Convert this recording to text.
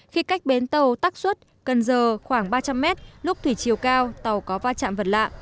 khi cách bến tàu tắc xuất cần giờ khoảng ba trăm linh mét lúc thủy chiều cao tàu có va chạm vật lạ